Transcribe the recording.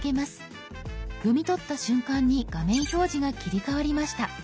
読み取った瞬間に画面表示が切り替わりました。